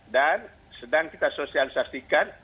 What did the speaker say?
dan sedang kita sosialisasikan